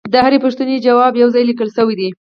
د هرې پوښتنې ځواب یو ځای لیکل شوی دی